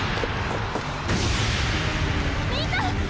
みんな！